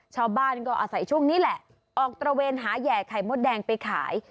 ชาวบ้านก็อาศัยช่วงนี้แหละออกตระเวนหาแห่ไข่มดแดงไปขาย